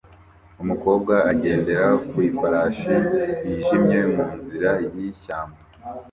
Umukobwa agendera ku ifarashi yijimye mu nzira y'ishyamba